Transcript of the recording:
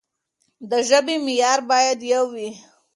د ژبې معيار بايد يو وي.